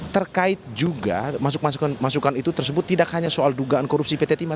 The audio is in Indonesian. terkait juga masuk masukan masukan itu tersebut tidak hanya soal dugaan korupsi pt timah